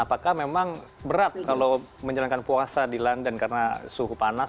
apakah memang berat kalau menjalankan puasa di london karena suhu panas